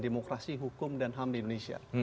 demokrasi hukum dan ham di indonesia